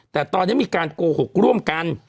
แต่ตอนนี้มีการโกหกร่วมกัน